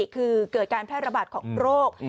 คือเกิดการแพร่ระบาดของโรค